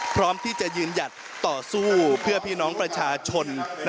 พร้อมที่จะยืนหยัดต่อสู้เพื่อพี่น้องประชาชน